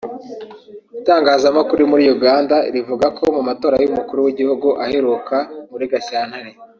Itangazamakuru muri Uganda rivuga ko mu matora y’Umukuru w’Igihugu aheruka muri Gashyantare